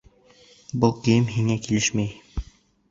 Был кейем һиңә килешмәй!